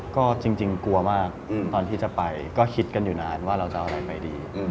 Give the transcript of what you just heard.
ก็จริงกลัวมากตอนที่จะไปก็คิดกันอยู่นานว่าเราจะเอาอะไรไปดี